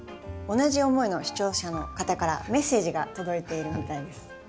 同じ思いの視聴者の方からメッセージが届いているみたいです。